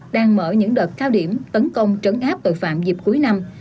đang mở những đợt cao điểm tấn công trấn áp tội phạm dịp cuối năm